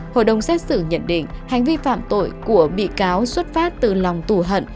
hội đồng xét xử nhận định hành vi phạm tội của bị cáo xuất phát từ lòng tù hận